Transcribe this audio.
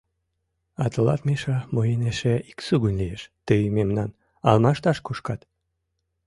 А тылат, Миша, мыйын эше ик сугынь лиеш: тый мемнам алмашташ кушкат.